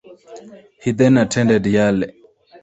He then attended Yale.